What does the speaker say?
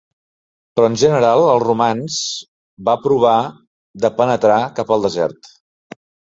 Però en general els romans va provar de penetrar cap al desert.